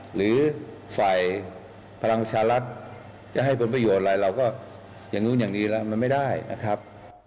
หรือฝ่ายพลังชารัฐจะให้ผลประโยชน์อะไรเราก็อย่างนู้นอย่างนี้แล้วมันไม่ได้นะครับ